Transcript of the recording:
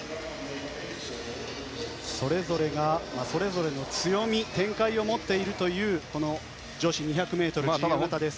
それぞれがそれぞれの強み展開を持っているというこの女子２００ｍ自由形です。